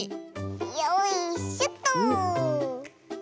よいしょっと。